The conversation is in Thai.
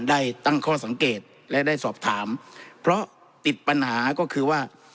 ได้ตั้งข้อสังเกตและได้สอบถามเพราะติดปัญหาก็คือว่า